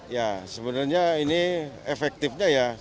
ya sebenarnya ini efektifnya ya